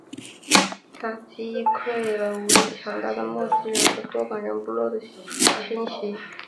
他击溃了武力强大的莫西人和多冈人部落的侵袭。